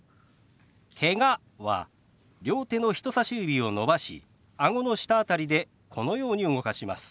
「けが」は両手の人さし指を伸ばしあごの下辺りでこのように動かします。